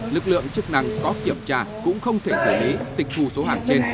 lực lượng chức năng có kiểm tra cũng không thể xử lý tịch phù số hàng trên